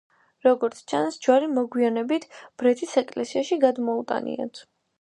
როგორც ჩანს, ჯვარი მოგვიანებით ბრეთის ეკლესიაში გადმოუტანიათ.